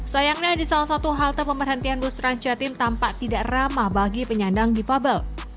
sayangnya di salah satu halte pemerhentian bus trans jatim tampak tidak ramah bagi penyandang di pabel